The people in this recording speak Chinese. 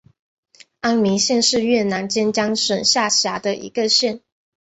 安明县是越南坚江省下辖的一个县。